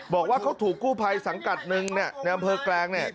บอกว่าเขาถูกกู้ภัยสังกัดหนึ่งเนี่ยในอำเภอแกลงเนี่ย